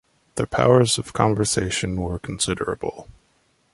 Their powers of conversation were considerable.